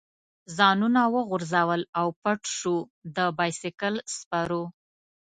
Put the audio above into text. ځانونه وغورځول او پټ شو، د بایسکل سپرو.